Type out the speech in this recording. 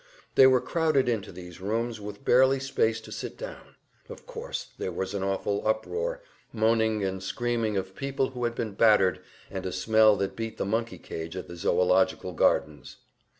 They were crowded into these rooms with barely space to sit down; of course there was an awful uproar, moaning and screaming of people who had been battered, and a smell that beat the monkey cage at the zoological gardens.